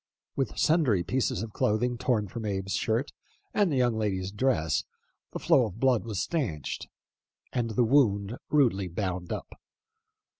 With sundry pieces of cloth torn from Abe's shirt and the young lady's dress, the flow of blood was stanched, and the wound rudely bound up.